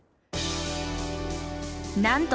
なんと！